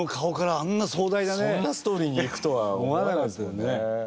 そんなストーリーにいくとは思わないですよね。